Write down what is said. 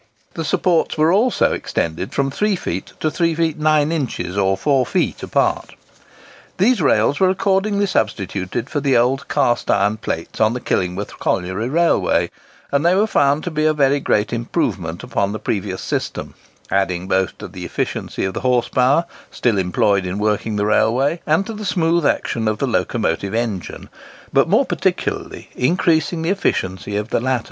The supports were also extended from three feet to three feet nine inches or four feet apart. These rails were accordingly substituted for the old cast iron plates on the Killingworth Colliery Railway, and they were found to be a very great improvement upon the previous system, adding both to the efficiency of the horse power, still employed in working the railway, and to the smooth action of the locomotive engine, but more particularly increasing the efficiency of the latter.